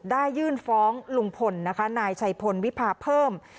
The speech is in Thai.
ได้ยื่นฟ้องลุงพลนายชัยพลวิภาพิ่ม